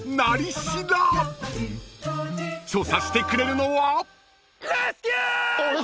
［調査してくれるのは？］